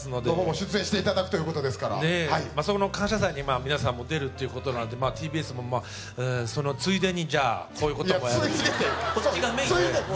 そこも出演していただくということですからその「感謝祭」に皆さんも出るっていうことなのでＴＢＳもじゃあこういうこともやろうとこっちがメインです